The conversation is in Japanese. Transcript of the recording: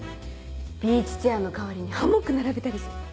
ビーチチェアの代わりにハンモック並べたりして。